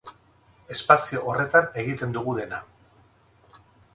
Espazio horretan egiten dugu dena.